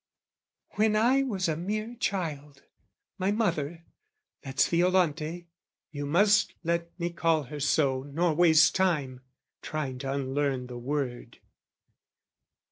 When I was a mere child, my mother...that's Violante, you must let me call her so Nor waste time, trying to unlearn the word